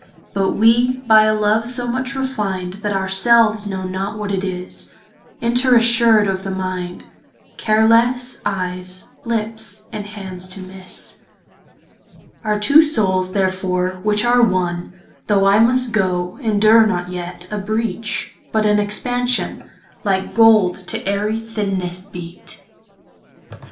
But we by a love, so much refin'd, That our selves know not what it is, Inter assured of the mind, Care lesse, eyes, lips, and hands to misse. Our two soules therefore, which are one, Though I must goe, endure not yet A breach, but an expansion, Like gold to ayery thinnesse beate.